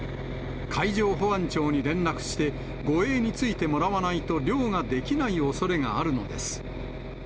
海上保安庁に連絡して護衛についてもらわないと漁ができないおそれがあるのです。